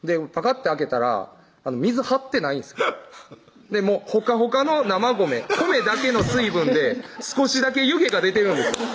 ッて開けたら水張ってないんですよほかほかの生米米だけの水分で少しだけ湯気が出てるんです